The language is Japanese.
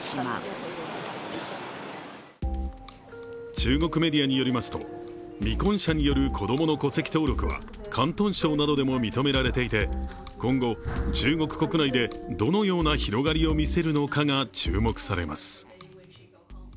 中国メディアによりますと未婚者による子供の戸籍登録は広東省などでも認められていて、今後、中国国内でどのような広がりを見せるのかが注目されます。